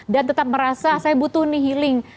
dan tetap merasa saya butuh nih healing